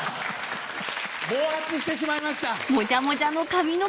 暴発してしまいました。